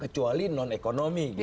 kecuali non ekonomi gitu ya